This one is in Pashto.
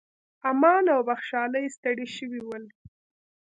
امان او بخشالۍ ستړي شوي ول.